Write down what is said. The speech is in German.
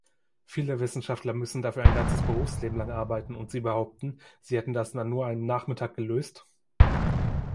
Viele Wissenschaftler müssen dafür ein ganzes Berufsleben lang arbeiten und Sie behaupten, Sie hätten das an nur einem Nachmittag gelöst?